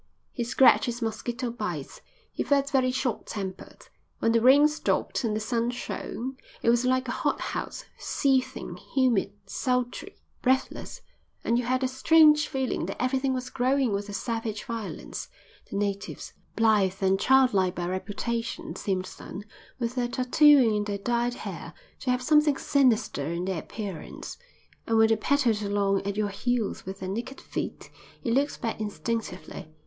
He scratched his mosquito bites. He felt very short tempered. When the rain stopped and the sun shone, it was like a hothouse, seething, humid, sultry, breathless, and you had a strange feeling that everything was growing with a savage violence. The natives, blithe and childlike by reputation, seemed then, with their tattooing and their dyed hair, to have something sinister in their appearance; and when they pattered along at your heels with their naked feet you looked back instinctively.